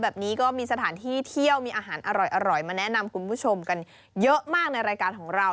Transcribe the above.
แบบนี้ก็มีสถานที่เที่ยวมีอาหารอร่อยมาแนะนำคุณผู้ชมกันเยอะมากในรายการของเรา